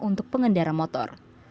untuk pengendara motor